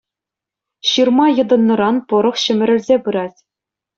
Ҫырма йӑтӑннӑран пӑрӑх ҫӗмӗрӗлсе пырать.